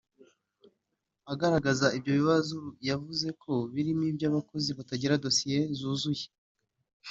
Agaragaza ibyo bibazo yavuze ko birimo iby’abakozi batagira dosiye zuzuye